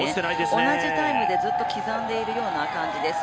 同じタイムでずっと刻んでいるような感じです。